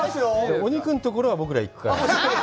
お肉のところは僕らが行くから。